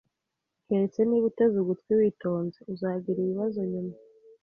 Keretse niba uteze ugutwi witonze, uzagira ibibazo nyuma